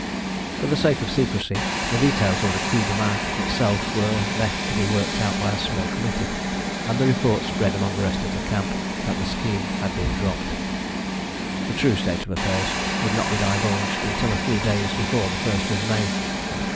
For the sake of secrecy, the details of the coup de main itself were left to be worked out by a small committee, and the report spread amongst the rest of the camp that the scheme had been dropped. The true state of affairs would not be divulged until a few days before the first of May.